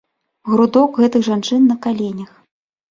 Грудок гэтых жанчын на каленях.